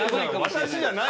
私じゃないよ。